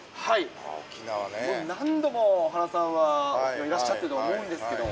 もう何度も、原さんはいらっしゃってると思うんですけれども。